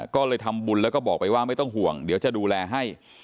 ก็เลยทำบุญแล้วก็บอกไปว่าไม่ต้องห่วงเดี๋ยวจะดูแลให้